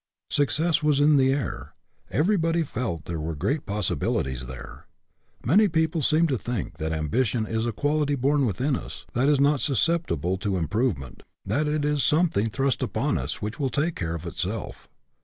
Success was in the air. Everybody felt that there were great possi bilities there. Many people seem to think that ambition is a quality born within us ; that it is not suscep tible to improvement; that it is something thrust upon us which will take care of itself.